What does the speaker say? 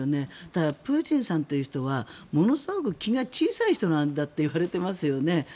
ただ、プーチンさんという人はものすごく気が小さい人だといわれていますよね。